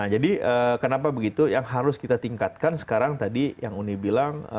jadi kenapa begitu yang harus kita tingkatkan sekarang tadi yang uni bilang